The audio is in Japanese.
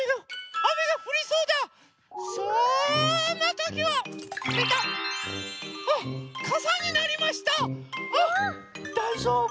あっだいじょうぶもう。